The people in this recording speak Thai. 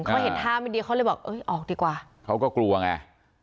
เค้าเห็นท่ามันดีเค้าเลยบอกออกดีกว่าเค้าก็กลัวไง